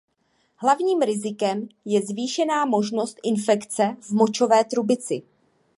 Hlavním rizikem je zvýšená možnost infekce v močové trubici.